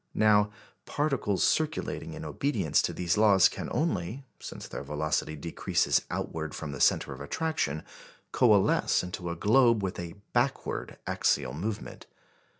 Now, particles circulating in obedience to these laws can only since their velocity decreases outward from the centre of attraction coalesce into a globe with a backward axial movement.